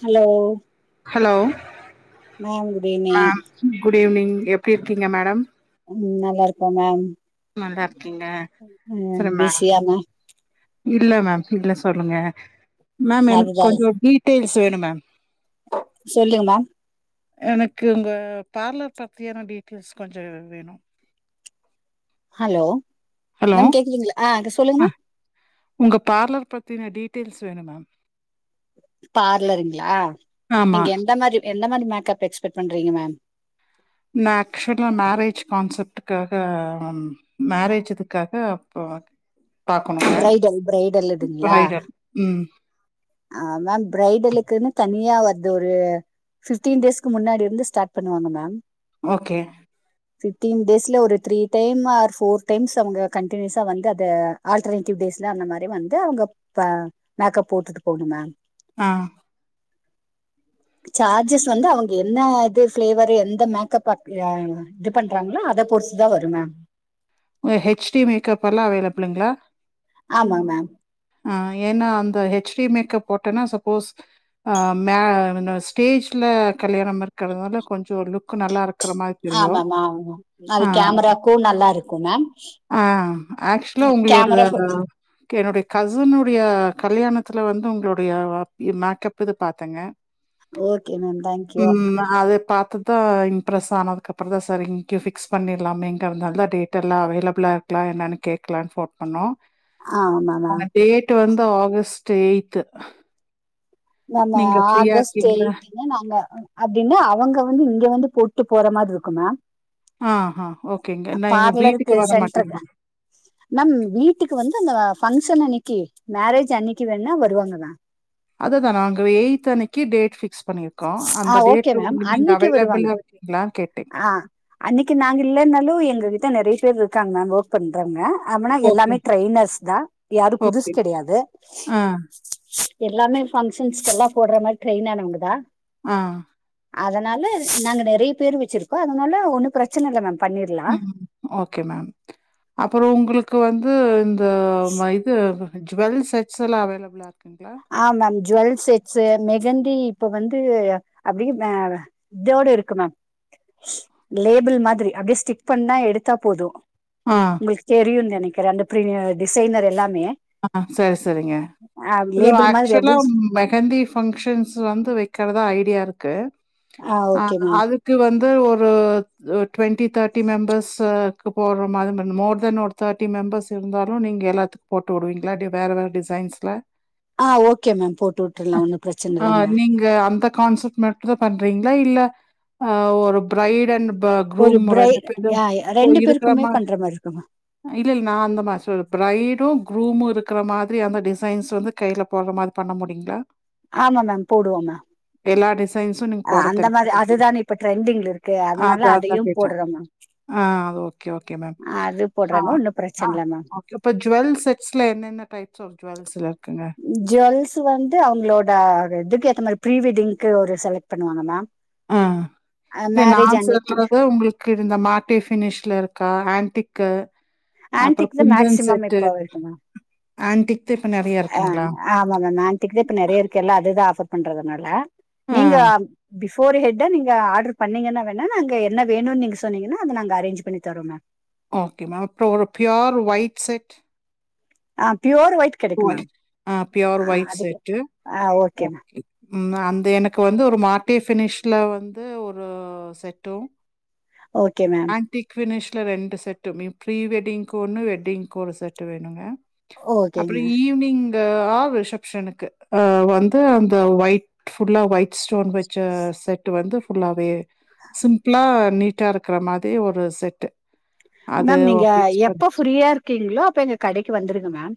Hello hello ma'am good அ evening good evening எப்டி இருக்கீங்க madam ம் நல்லாருக்க மேம் நல்லாருக்கீங்ள ம் சரிமா பிஸியா மேம் இல்ல மேம் [unintelligible] சொல்லுங்க மேம் எனக்கு அதுதா கொஞ்சொ வீட் டு சேடு மேம் சொல்லுங்கம எனக்கு உங்க பார்லர் பத்தியான டீட்டெயில்ஸ் கொஞ்சொ வேணு ஹலோ ஹலோ மேம் கேக்குதுங்ளா அ இத சொல்லுங்கம்மா அ உங்க பார்லர் பத்தின டீட்டெயில்ஸ் வேணும் மேம் பார்லருங்களா ஆமா நீங்க எந்த மாரி எந்த மாரி மேக்கப் எக்ஸ்பெக்ட் பண்றீங்க மேம் நா ஆக்சுவலா மேரேஜ் கான்செப்டுக்காக மேரேஜ் இதுக்காக போவாங்க ஆ பிரைடல் ப்ரைடல் இதுங்களா ம் ஆ மேம் பிரரைடலுக்குன்னு தனியா வர்து ஒரு ஃபிப்டீன் டேஸ்க்கு முன்னாடி இர்ந்து ஸ்டார்ட் பண்ணுவாங்க மேம் ஓகே பிஃப்டீன் டேஸ்ல ஒரு three time or four times அவுங்க கண்டினியூஸா வந்து அத ஆல்டர்னேட்டிவ் டேஸ்ல அந்த மாரி வந்து அவுங்க மேக்கப் போட்டுட்டு போணு மேம் ஆஹ்ன் சார்ஜஸ் வந்து அவுங்க என்ன இது ஃப்ளேவர் எந்த மேக்கப் ஆர்ட் அஹ் எது பண்றாங்களோ அத பொருத்துதா வரு மேம் உங்க ஹெச் டி மேக்கப் அல்லா அவைலபிள்ளுங்கலா ஆமா மேம் ஆஹ்ன் ஏன்னா அந்த ஹெச்டி மேக்கப் போட்டேனா சப்போஸ் ஆஹ்ன் மே இந்த ஸ்டேஜ்ல்லா கல்யாணம் இருக்கிறதுனால கொஞ்சோ லுக் நல்லா இருக் ஆமாமாமா ஆமா அது கேமராக்கு நல்லா இருக்கு மேம் ஆஹ் ஆக்சுலா உங்களோடது கேமரா அது என்னுடைய கசினுடைய கல்யாணத்ல வந்து உங்களுடைய மேக்கப் இது பாத்தேங்க ஓகே மேம் தேங்க்யூ உம் அது பாத்து த்த இம்ப்ரஸ் ஆனதுக்கு அப்றோ தான் சரி இங்க ஃபிக்ஸ் பண்ணிடலாமே இங்க நல்ல டேட்டல்லா அவைலப் பிளா இருக்கல என்னனு கேக்லான் ஃபோன் பண்ணோ ஆமா அவுங்க மேம் டேட் ட்டு வந்து ஆகஸ்ட் எய்த்து நம்ம ஆகஸ்ட் இருக்கீங்களா? எய்டி இதே நாங்க அப்டின்னு அவங்க வந்து இங்க வந்து போட்டு போற மாரி இருக்கு மேம் ஆஹ்ஹ ஓகேங்க நான் எங்க வீட்டுக்கு பார்லருக்கு வரமாட்டேங்க சென்டருக்கு மேம் வீட்டுக்கு வந்து அந்த ஃபங்ஷன் அன்னைக்கு மேரேஜ் அன்னைக்கு வேனா வருவாங்க மேம் அதுதா நாங்க எய்த் அன்னைக்கு டேட் பிக்ஸ் பண்ணியிருக்கோ ஆ அந்த ஓகே டேட்டு மேம் உங் நீங்க அன்னைக்கு வருவாங்க ஆவைலபிள்ளா இருகீங்களான் கேட்ட ஆ அன்னைக்கு நாங்க இல்லனாலு எங்க கிட்ட நறைய பேர் இருக்காங்க மேம் ஒர்க் பண்றங்க அப்பனா ஓகே, எல்லாமே ட்ரெயினர்ஸ் தான் யாரும் புதுசு ஓகே. கிடையாது ஆ, எல்லாமே பங்க்ஷன்ஸ்க்குலா போடுற மாரி ட்ரெயின் ஆனவங்கதா ஆஹ்ன் அதனால நாங்க நறைய பேர் வச்சிருக்கோ அதனால ஒண்ணு பிரச்சன இல்ல மேம் பண்ணிர்லா ம். ஓகே மேம் அப்புறோ உங்களுக்கு வந்து இந்த மை இது ஜோவல் செட்ஸ்லா அவைலபிளா இருக்குங்களா ஆ மேம் ஜோவல் செட்ஸ்ஸு மெகந்தி இப்போ வந்து அப்டி இதோடு இருக்கு மேம் லேபிள் மாதிரி அப்டி ஸ்டிக் பண்ணா எடுத்தா போது ஆஹ்ன் உங்களுக்கு தெரியுன் நினைக்கிறே அந்த பெரிய டிசைனர் எல்லாமே ஆஹ்ன்‌ சரி சரிங்க ஆ [unintelligible] லேபிள் மாதிரி ஆக்சுலா அப்டியே மெஹந்தி பங்கஷன்ஸ் வந்து வைக்றதா ஐடியா இருக்கு ஆ ஓகே மேம் அது க்கு வந்து ஒரு டு்வெண்ட்டி தேர்ட்டி மெம்பர்ஸு போடுற மாறி மோர் தென் ஒரு தேர்டி மெம்பர்ஸ் இருந்தாலு நீங்க எல்லாத்துக்கு போட் போடுவீங்களா வேற ஏதாது டிசைன்ஸ்ல ஆஹ்ன் ஓகே மேம் போட்டு விட்ரலா ஒன்னு பிரச்சன அ இல்லங்க நீங்க அந்த கான்செப்ட் மட்டும்தா பண்றீங்களா இல்ல ஒரு பிரைட் அண்ட் ஒரு குரூம் பிரை ரெண்டு பேருமே யா இப்ப ரெண்டு இருக்கிற பேருக்குமே மாரி பண்ற இருக்குங்க இல்ல இல்ல நான் அந்த மாரி சொல்லு ப்ரைடு குரூமு இருக்கற மாதிரி அந்த டிசைன்ஸ் வந்து கைல போடுற மாதிரி பண்ண முடியுங்களா ஆமா மேம் போடுவோ மேம் எல்லா டிசைன் அஹ்ன் அந்த மாரி அதுதானே இப்ப ட்ரெண்டிங்ல இருக்கு அதனால அதையும் போடுறோ மேம் ஆஹ்ன் ஓகே ஓகே மேம் அது ஆ போடுறாங்க ஒன்னு பிரச்சன ஆஹ்ன் இல்ல மேம் இப்ப ஜோவல் செட்ஸ்ல என்னென்ன டைப்ஸ் ஆஃப் ஜோவல்ஸ்ல இருக்குங்க ஜுவல்ஸ் வந்து அவங்களோட இதுக்கு ஏத்த மாரி ப்ரீ வெட்டிங்கு ஒரு செலக்ட் பண்ணுவாங்க மேம் ஆ இதே நா மேரேஜ் அன்னைக்கு சொல்றது உங்களுக் க்கு இந்த மாட்டி ஃபினிஷ்ல இருக்கா ஆண்டிக்கு அப்பறோ ஆன்டிக் தா குந்தன் மேக்சிமம் செட்டு இப்போ இருக்கு மேம் ஆன்டிக் தா இப்ப நெறைய ஆ இருக்குங்ளா ஆமா மேம் ஆண்டிக்கு தா இப்ப நெறைய இருக்கு எல்லா அதுதா ஆஃபர் பண்றதுனால ஆ நீங்க பிஃபோ ஃபோர் ஹெட்டா நீங்க ஆர்டர் பண்ணிங்கன்னா வேணா நாங்க என்ன வேணுன்னு நீங்க சொன்னிங்கன்னா அத நாங்க அரேஞ்ச் பண்ணி தரோ மேம் ஓகே மேம் அப்றோ ஒரு பியோர் ஒயிட் செட் ஆ பியோர் ஒயிட் கெடைக்கு மேம் ஒயிட் ஆ பியோர் ஆ ஒயிட் அதுக்கு செட்டு ஆ மேம் ஓகே ம் அந்த எனக்கு வந்து ஒரு மாட்டி ஃபினிஷ்ல வந்து ஒரு செட்டும் ஓகே மேம் ஆண்டிக் ஃபினிஷ்ல ரெண்டு செட்டுமே ப்ரீ வெட்டிங்க்கு ஒன்னு வெட்டிங்க்கு ஒரு செட்டு வேணுங்க ஓகேங்க அப்பறோ ஈவ்னிங் ஆ ரிசப்ஷனுக்கு அ வந்து அந்த ஒயிட் ஃபுல்லா ஒயிட் ஸ்டோன் வச்ச செட்டு வந்து ஃபுல்லாவே சிம்பிளா நீட்டா இருக்ற மாரி ஒரு செட்டு அது மேம் நீங்க ஃபிக்ஸ் பண்ணி எப்போ ஃப்ரீயா இருக்கீங்ளோ அப்ப எங்க கடைக்கு வந்துருங்க மேம்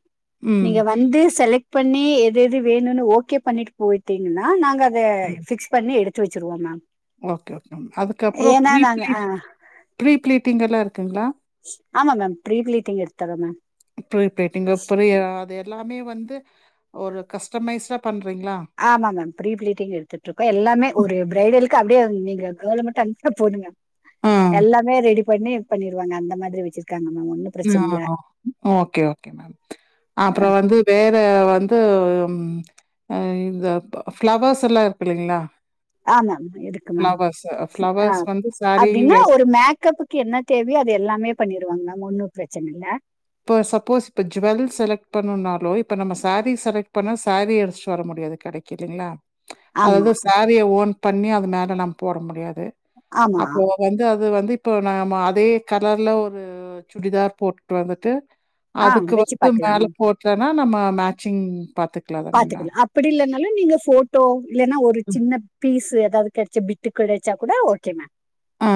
ம், நீங்க வந்து செலக்ட் பண்ணி எது எது வேணும்னு ஓகே பண்ணிட்டு போயிட்டீங்னா நாங்க அத ம். பிக்ஸ் பண்ணி எடு த்து வச்சிருவோ மேம் ஓகே ஓகே அதுக்கப்றோ ஏன்னா ப்ரீ நாங்க ஆ பிளீட் ப்ரீ பிளீட்டிங் எல்லா இருக்குங்ளா ஆமா மேம் பிரீ பிளீடிங் எடுத்து தரோ மேம் ப்ரீ வெட்டிங்கு அப்பறோ எ அது எல்லாமே வந்து ஒரு கஸ்டமைஸ்டா பண்றீங்ளா ஆமாங்க ப்ரீ பிளீட்டிங் எடுத்துட்டுருக்கோ எல்லாமே ஒரு ப்ரைடலுக்கு அப்டியே நீங்க கேள் மட்டு அனுப்புனா போதுங்க ஆ. எல்லாமே ரெடி பண்ணி இது பண்ணிருவாங்க அந்த மாதிரி வச்சிருக்காங்க மேம் பிரச்சன இல்ல ஆ ஓகே ஓகே மேம் அப்பறோ வந்து வேற வந்து அ இந்த ஃப்ளவர்ஸ் எல்லா இருக்கு இல்லைங்ளா ஆமாங்க இருக்கு மேம் ஆ ஃப்ளவர்ஸ் வந்து சாரீ அப்டின்னா ஒரு மேக்கப் க்கு என்ன தேவையோ அது எல்லாமே பண்ணிருவாங்க ஒண்ணு பிரச்சன இல்ல இப்போ சப்போஸ் இப்போ ஜுவெல் செலக்ட் பண்ணுனாலோ இப்ப நம்ம சாரி செலக்ட் பண்ணா சாரி எடுத்துட்டு வர முடியாது கடைக் கில்லா ஆமா அதாவது சாரிய ஓன் பண்ணி அது மேல நம்ம போட முடியாது ஆமா அப்போ வந்து அது வந்து இப்போ நம்ம அதே கலர்ல ஒரு சுடிதார் போட்டுட்டு வந்துட்டு ஆ அதுக்கு வெச்சு வந்து பாக்கலா மேல மேம் போட்றேன்னா நம்ம மேச்சிங் பாத்து பாத்துக்கலா அப்டி இல்லனாலு நீங்க போட்டோ இல்லன்னா ஒரு சின்ன பீஸ்ஸு ஏதாவது கெடச்ச பிட் கெடச்சா கூட ஓகே மேம் ஆ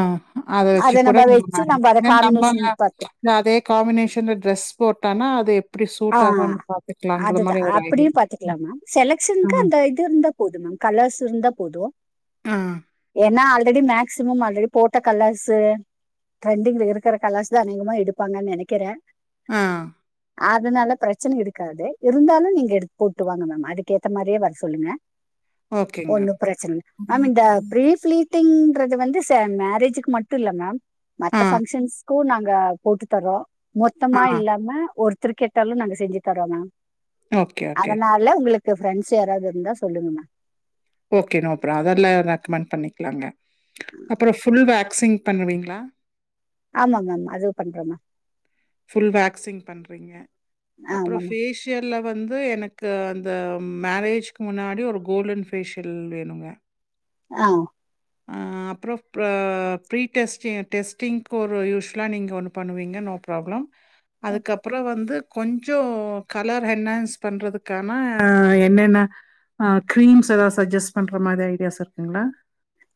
அத வச்சு கூட நம்ம நீங்க வெச்சு மேச் நம்ம அத மேம் நம்ம காம்பினேஷன் பாத்து அதே காம்பினேஷன்ல ட்ரெஸ் போட்டானா அது எப்படி ஆ சூட் ஆகுன்னு பாக் அதுதா அப்டியு பாத்துக்கலா மேம் செலக்சனுக்கு ம். அந்த இது இருந்தா போதும் மேம் கலர்ஸ் இருந்தா போதும் ஆ ஏன்னா ஆல்ரெடி மேக்சிமம் ஆல்ரெடி போட்ட கலர்ஸ்ஸு டிரெண்டிங்ல இருக்கற கலர்ஸ் தா அதிகமா எடுப்பாங்கனு நெனைக்கிறே ஆ அதனால பிரச்சன இருக்காது இருந்தாலு நீங்க எடுத்து போட்டு வாங்க மேம் அதுக்கு ஏத்த மாரியே வர சொல்லுங்க ஓகேங்க. ஒண்ணு பிரச்சன மேம் இந்த பிரீ ஃப்ளீட் டிங்றது வந்து ச மேரேஜூக்கு மட்டு இல்ல மேம் ஆ, மத்த ஃபங்க்ஷன்ஸ் க்கு நாங்க போட்டு தரோ ஆ. மொத்தமா இல்லாம ஒரு எத்தன கேட்டாலு நாங்க செஞ்சு தரோம் மேம் ஓகே, ஓகே. அதனா ல உங்களுக்கு ப்ரெண்ட்ஸ் யாராவது இருந்தா சொல்லுங்கம்மா ஓகே நோ ப்ரா அதெல்லா ரெக்கமெண்ட் பண்ணிக்கலாங்க அப்புற ஃபுல் வேக்சிங் பண்ணுவீங்ளா ஆமாங்க ஆமா அது பண்றோம்மா ஃபுல் வேக்சிங் பண்றீங்க அப்புற ஆமா மேம் ஃபேஷ் ஷியல்ல வந்து எனக்கு அந்த மேரேஜ்க்கு முன்னாடி ஒரு கோல்டன் ஃபேஷியல் வேணுங்க ஆ ஆ அப்புற ப் ப்ரீ டெஸ்ட்டி டெஸ்டிங்க்கு ஒரு யூஷுவவலா நீங்க ஒன்னு பண்ணுவீங்க நோ ப்ராப்ளம் அதுக்கப்புற வந்து கொஞ்ச கலர் ஹென்னாஸ் பண்றதுக்கான என்னென்ன க்ரீம்ஸ் எதாவது ஷஜ்ஜஸ்ட் பண்ற மாரி ஐடியாஸ் இருக்குங்களா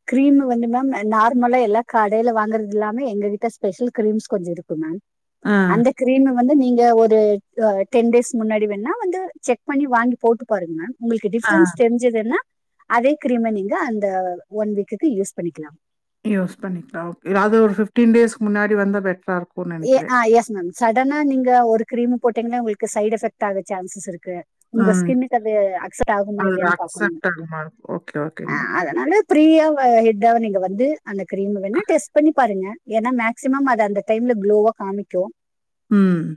கிரீமு வந்து மேம் நார்மலா எல்லா கடைல வாங்குறதுல்லாமே எங்க கிட்ட ஸ்பெஷல் கிரீம்ஸ் கொஞ்ச இருக்கு மேம் ஆ, அந்த கிரீமு வந்து நீங்க ஒரு டென் டேஸ் முன்னாடி வேண்ணா வந்து செக் பண்ணி வாங்கி போட்டு பாருங்க உங்களுக்கு ஆ டிஃபரென்ஸ் தெரிஞ்சுதுன்னா அதே கிரீமை நீங்க அந்த ஒன் வீக்குக்கு யூஸ் பண்ணிக்கலா யூஸ் பண்ணிக்லா அது ஒரு ஃபிப்டீன் டேஸ்கு முன்னாடி வந்தா பெட்ரா இருக் ஏ ஐ எஸ் மேம் சடனா நீங்க ஒரு கிரீமு போட்டீங்கனா உங்களுக்கு சைட் எஃபெக்ட் ஆக சான்சஸ் இருக்கு உங்க ம். ஸ்கினுக்கு அது அக்சப்ட் ஆகுமா அது இல்லயான்னு பாக்கணு அக்செப்ட் ஆகுமா? இருக்கும். ஓகே, ஓகேங்க. அதனால ப்ரீயா ஹெட்டாவ நீங்க வந்து அந்த கிரீம் வேணா டெஸ்ட் பண்ணி பாருங்க ஏன்னா மாக்சிமம் அத அந்த டைம்ல க்ளோவா காமிக்கு ம்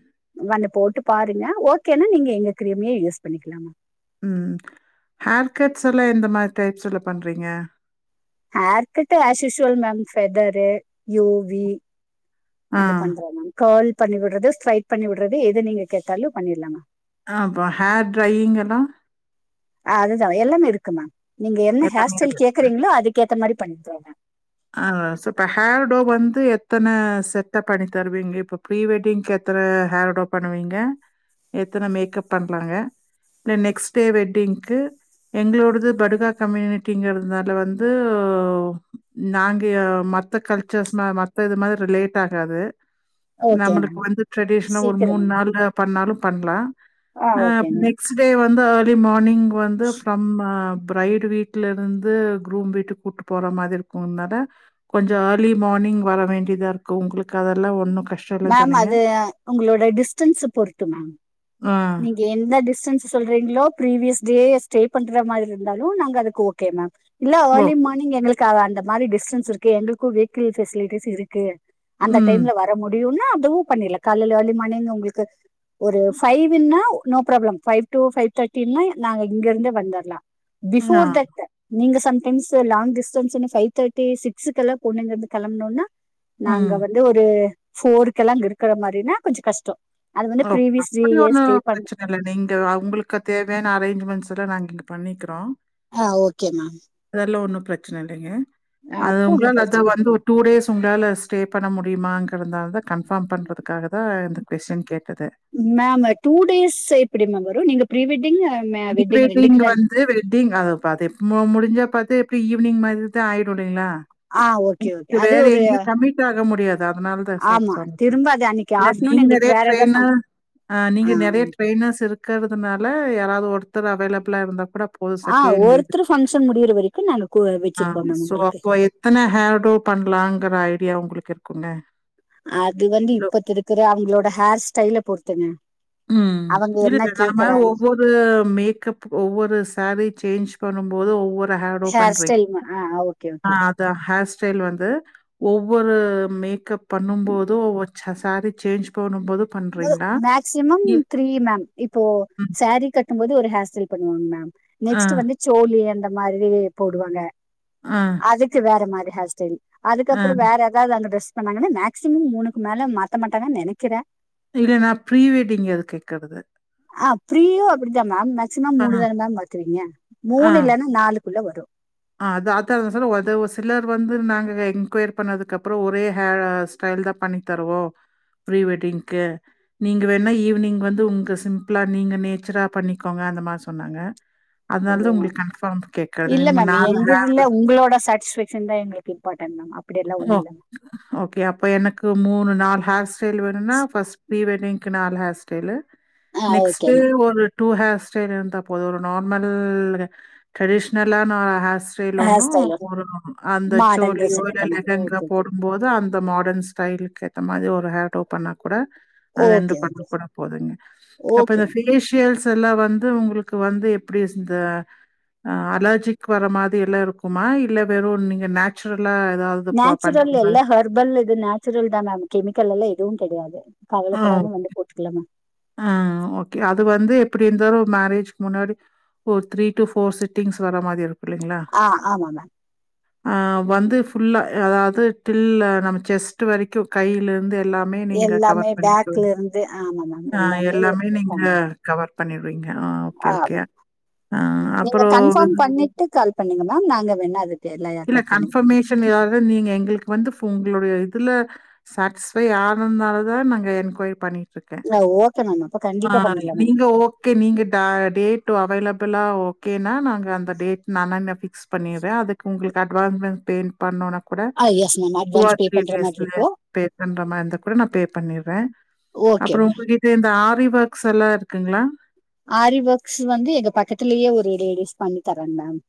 வந்து போட்டு பாருங்க ஓகேன்னா நீங்க எங்க கிரீமயே யூஸ் பண்ணிக்கலாம்மா ம் ஹேர்கட்ஸ் எல்லா எந்த மாரி டைப்ஸுல பண்றீங்க haircut as usual ma'am feather UV ஆ. இது பண்றோ மேம் கர்ல் பண்ணி விடுறது ஸ்ட்ரைட் பண்ணி விடுறது எத நீங்க கேட்டாலு பண்ணிட்லா மேம் அ அப்பொ ஹேர் ட்ரையிங்க் எல்லா ஆ அதுதா எல்லாமே இருக்கு மேம் நீங்க என்ன ஹேர் எல்லாமே அது. ஸ்டைல் கேக்குறீங்களோ அதுக்கேத்த மாரி பண்ணி தரோ மேம் ஆ சூப்ப ஹேர்டோ வந்து எத்தன செட்டா பண்ணி தருவீங்க இப்ப ப்ரீ வெட்டிங்கு எத் தன ஹேர்டோ பண்ணுவீங்க எத்தன மேக்கப் பண்றாங்க நெக்ஸ்ட் டே வெட்டிங்கு எங்களோடது படுகா கம்யூனிட்டிங்கிறதுனால வந்து நாங்க மத்த கல்ச்சர்ஸ் மா மத்தது மாரி ரிலேட் ஆகாது ஓகே மேம் நம்மளுக்கு வந்து ட்ரெடிஷனா ஒரு சீக்கிரம் மூணு நாள் நா பண்ணாலு பண்ணலாம் ஆ நெக்ஸ்ட் டே வந்து ஏர்லி மார்னிங் வந்து ஃப்ரம் பிரைடு வீட்ல இருந்து க்ரூம் வீட்டுக் கூட்டுபோற மாதி கொன்னட கொஞ்ச ஏர்லி மார்னிங் வர வேண்டியதா இருக்கு உங்களுக்கு அதெல்லாம் ஒன்னும் கஷ்டம் இல்ல மேம் தானேங்க? அது உங்களோட டிஸ்டன்ஸ பொருத்து மேம் ஆ நீங்க எந்த டிஸ்டன்ஸ் சொல்றீங்களோ பீரிவியஸ் டே ஸ்டே பண்ற மாதிரி இருந்தாலு நாங்க அதுக்கு ஓகே மேம் இல்ல ஏர்லி ஓகே. மார்னிங் எங்களுக்கு அந்த மாதிரி டிஸ்டன்ஸ் இருக்கு எங்களுக்கு வெகிக்ள் ஃபசிலிட்டீஸ் இருக்கு அந்த ம். டைம்ல வர முடியும்னா அதுவும் பண்ணிடலா காலேல ஏர்லி மார்னிங் உங்களுக்கு ஒரு ஃபைவ்ன்னா no problem five two five தேர்ட்டின்னா நாங்க இங்க இருந்து வந்துடலா ஆ. பிஃபோர் தட் நீங்க சம்டைம்ஸ் லாங் டிஸ்டன்ஸ்ன்னு ஃபைவ் தேர்ட்டி சிக்ஸுக்கு எல்லா பொண்ணு இங்க இருந்து கெளம்பனும்னா நாங்க ம். வந்து ஒரு ஃபோருக்கெல்லா அங்க இருக்கிற மாதிரினா கொஞ்ச கஷ்ட அது வந்து ஃப்ரீவியஸ் அப்டி ஒன்னு பிரச்சனை இல்லை நீங்க உங்களுக்கு தேவையான அரேஞ்ச்மெண்ட்ஸ் எல்லா நாங்க இங்க பண்ணிக்கிறோம் ஆ ஓகே மேம் அதெல்லா ஒன்னும் பிரச்சனை இல்லைங்க அது அப்போ ஒன்னு உங்களாலதா பிரச்சன வந்து இருக்கு ஒரு டூ டேஸ் உங்களால ஸ்டே பண்ண முடியுமாங்கிருந்தால த கன்ஃபார்ம் பண்றதுக்காக தா இந்த கொஸ்டின் கேட்டது மேம் டூ டேஸ் எப்டி மேம் வரு நீங்க ப்ரீ வெட்டிங் மே ப்ரீ வெட்டிங் ரெண்டுக்கு தான வந்து வெட்டிங் அது பாதிப் ஓ முடிஞ்சா பாத்து எப்பிடி ஈவினிங் மாதிரி தா ஆயிடு இல்லைங்களா ஆ ஓகே ஓகே அது ஒரு த்த ஆக முடியாது அதனால தத்தா சொ ஆமா சொன்ன திரும்ப அது அன்னைக்கு இல்ல ஆஃப்டர்நூன் நீங்களே எங்களுக்கு வேற எதா ஃபங் டிரைனர் ஆ நீங்க நெறைய டிரைனர்ஸ் இருக் கறதுனால யாராவது ஒருத்தர் அவைலபிளா இருந்தா கூட போதும் ஆ செகண்ட் இது. ஒருத்தர் பங்க்ஷன் முடியற வரைக்கு நாங்க கூ ஆ வெச்சிருப்போ மேம் சோ உங்களுக்கு அப்போ எத்தன ஹேர்டோ பண்ணலாங்கற ஐடியா உங்களுக்கு இருக்குல்ல அது வந்து இப்பத்து இருக்குற அவங்களோட ஹேர் ஸ்டைல பொறுத்துங்க ம் அவங்க இது என்ன பேர்தா நாம கேக்குறாங்க ஒவ்வொரு ப்ப மேக்கப் ஒவ்வொரு சாரீ சேஞ்ச் பண்ணும் போது ஒவ்வொர் இப்போ ஹர்டோப் ஹேர் பண்றே ஸ்டைல் மா ஆ ஓகே ஆ ஓகே இந்த ஹேர் ஸ்டைல் வந்து ஒவ்வொரு மேக்கப் பண்ணும்போது ஒவ்வொரு ஜா சாரீ சேஞ்ச் பண்ணும்போது பண்றீங்களா சிமம் இ த்ரீ மேம் இப்போ ம். சாரீ கட்டும் போது ஒரு ஹேர் ஸ்டைல் பண்ணுவாங்க மேம் ஆ, நெக்ஸ்ட் வந்து சோ நீங்க அந்த மாதிரி போடுவாங்க ஆ அதுக்கு வேற மாதிரி ஹேர்ஸ்டைல் ஆ. அதுக்கப்பறோ வேற அதாவது அந்த டிரெஸ் பண்ணாங்கன்னா மேக்சிமம் மூணுக்கு மேல மாத்தமாட்டாங்க நெனைக்கிறே இல்ல நா ப்ரீ வெட்டிங் எதுக்கு கேக்கறது ஆ ப்ரீயா அப்படிதா மேம் மேக்சிமம் ஆ, மூணு தானே மேம் மாத்துவீங்க ஆ, மூணு இல்லன்னா நாலுக்குள்ள வரு ஆ அதா ஆத்தர அவசரத்துல ஒரு சிலர் வந்து நாங்க என்கொயர் பண்ணதுக்கப்பறோ ஒரே ஹேர்ஸ் கயில்டா பண்ணி தருவோ ஃப்ரீ வெட்டிங்க்கு நீங்க வேணுன்னா ஈவினிங் வந்து உங்கள் சிம்பிளா நீங்க நேச்சரால பண்ணிக்கோங்க அந்த மாதிரி சொன்னாங்க அதனால தா உங்களுக்கு கன்ஃபாம் கேக்கறது உங்க நா எங்கலதுல்ல உங்களோட சாட்ஸ்ஃபேக்ஷன் தா எங்களுக்கு இம்பார்ட்டன் மேம் அப்படியேல்லா ஓ! ஒன்னுல்ல ஓகே அப்போ எனக்கு மூணு நாலு ஹேர் ஸ்டைல் வேணுன்னா ஃபர்ஸ்ட் ப்ரீ வெட்டிங் க்கு நாலு ஹேர் ஸ்டைல்லு ஆ ஓகே நெக்ஸ்ட்டே மேம் ஒரு டூ ஹேர் ஸ்டைல் இருந்த போது ஒரு நார்மல்லு ட்ரெடிஷ்லான ஹேர் ஸ் ஸ்டைல் ஹேர் ஒன்னு ஸ்டைல் போடணுன்னு அந்த மாடர்ன் ட்ரெஸ் சோழியோ எடுத்த இல்ல மாதிரி ஓகே ஓகே ம்போது அந்த மாடர்ன் ஸ்டைலுக்கு ஏத்த மாரி ஒரு ஹேர் டோப்பன்னா கூட அது ரெண்டு ஓகே பண்ணு ஓகே கூட போதுங்க அப்ப ஓகே இந்த மேம் ஃபேஸ் ஸியல்சல்லா வந்து உங்களுக்கு வந்து எப்படி இந்த அ அலர்ஜிக் வரற மாதிரி இல்லா இருக்குமா இல்ல வெறு நீங்க நேச்சுரலா ஏதாவது ப பண்ற மாதிரி நேச்சுரல்லயில்ல ஹர்பல் இது நேச்சுரல் தா மேம் கெமிக்கல்லெலா எதுவு கடையாது ஆ, கவலப்படாம வந்து போட்டுக்கலாங்க ஆ ஓகே அது வந்து எப்பிடி இருந்தாலு மேரேஜ்க்கு முன்னாடி ஒரு த்ரீ டூ ஃபோர் செட்டிங்ஸ் வர மாரி இருக்கு இல்லைங்ளா ஆ ஆமாங்க ஆ வந்து ஃபுல்லா அதாவது டில் நம்ம ஜெஸ்ட்டு வரைக்கியு கையிலருந்து எல்லா மே நீங்க கவர் பண்ணிக்கோ வந்து ஆமாங்க ஆ எல்லாமே நீங்க கவர் பண்ணிடுவீங்க ஆ ஓகே ஓகே ஆமா ஆ அப்றோ ஒரு டூ கால் பண்ணிங்க மேம் நாங்க வேன்னா அதுக் இல்ல கன்ஃபர்மேஷன் ஏதாவது நீங்க எங்களுக்கு வந்து ஃபோன் உங்களுடைய இதுல சப்ஸ்கிரைப் ஆனனால தா நாங்க என்கொயரி பண்ணி ட்ருக்கே பண்ணிக்கலாம் ஓகே மேம் அப்ப ஆ கண்டிப்பா பண்ணிக்கலாம் மேம் நீங்க ஓங் ஓகே நீங்க ட டேட்டு அவைலபிளா ஓகேனா நாங்க அந்த டேட் நானா ஃபிக்ஸ் பண்ணிறே அதுக் உங்களுக்கு அட்வான்மென் பேன் பண்னுனா கூட ஆ yes ma'am two advance or pay three பண்ற மாதிரி டேஸ்ல இருக்கும் பே பண்ற மா இந்தா கூட நா பே பண்ணிட்றே ஓகே அப்பறம் மேம் உங்க கிட்ட இந்த ஆரி ஒர்க்ஸ் எல்லா இருக்குங்களா ஆரிவொர்க்ஸ் வந்து எங்க பக்கத்துலேயே ஒரு லேடிஸ் பண்ணி தராங்க மேம்